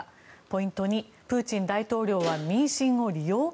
ポイント２、プーチン大統領は民心を利用？